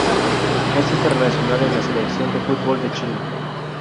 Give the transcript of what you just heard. Es internacional con la selección de fútbol de Chile.